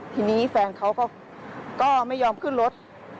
ทีนี้แฟนเขาก็ไม่ยอมขึ้นรถ